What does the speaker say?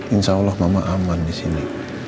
insya allah mama aman disini